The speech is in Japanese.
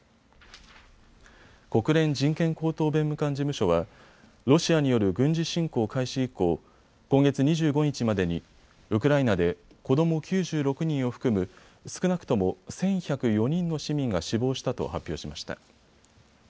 国連人権高等弁務官事務所はロシアによる軍事侵攻開始以降、今月２５日までにウクライナで子ども９６人を含む少なくとも１１０４人の市民が死亡したと発表しました。